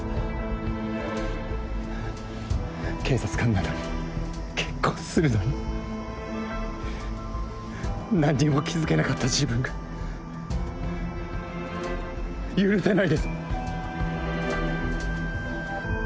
警察官なのに結婚するのに何にも気付けなかった自分が許せないです